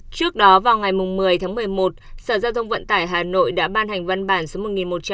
trước đó vào ngày một mươi tháng một mươi một sở giao thông vận tài hà nội đã ban hành văn bản số một nghìn một trăm một mươi tám